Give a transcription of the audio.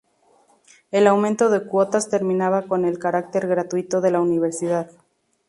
El aumento de cuotas terminaba con el carácter gratuito de la Universidad.